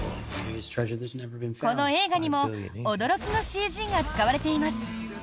この映画にも驚きのＣＧが使われています。